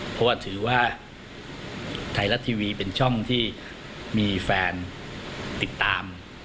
เพราะว่าถือว่าไทยรัฐทีวีเป็นช่องที่มีแฟนติดตาม